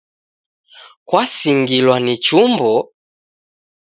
Kwasingilwa ni chumbo